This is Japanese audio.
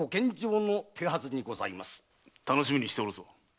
楽しみにしておるぞ。